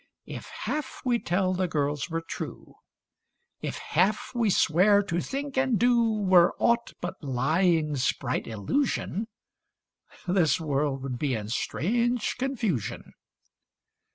If half we tell the girls were true, If half we swear to think and do, Were aught but lying's bright illusion, This world would be in strange confusion.